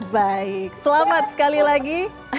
baik selamat sekali lagi